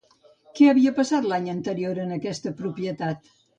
Què havia passat, l'any anterior, en aquesta propietat?